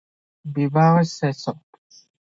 ବିବାହ ଶେଷ ।